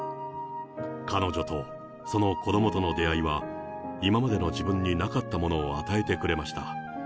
彼女とその子どもとの出会いは、今までの自分になかったものを与えてくれました。